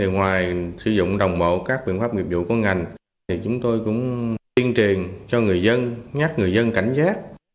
ngoài sử dụng đồng bộ các biện pháp nghiệp dụng của ngành thì chúng tôi cũng tiên triền cho người dân nhắc người dân cảnh giác